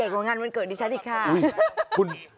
เยอะกว่างานวันเกิดดีชัดอีกค่ะ